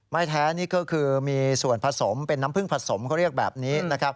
แท้นี่ก็คือมีส่วนผสมเป็นน้ำผึ้งผสมเขาเรียกแบบนี้นะครับ